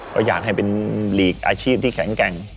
ก็อยากให้เป็นหลีกอาชีพที่แข็งแกร่ง